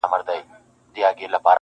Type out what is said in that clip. په یوه شان وه د دواړو معاسونه,